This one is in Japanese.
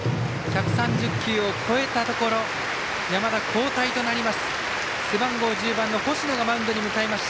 １３０球を超えたところ山田、交代となります。